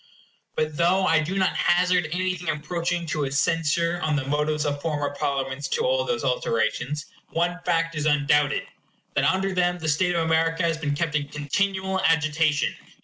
But though I do not hazard anything approaching to a censure on the motives of former Parliaments to all those alterations, one fact is undoubted—that under them the state of America has ica has been kept in continual agitation.